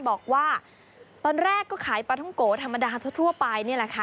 บอกว่าตอนแรกก็ขายปลาท้องโกธรรมดาชั่วโทรไป